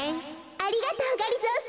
ありがとうがりぞーさん。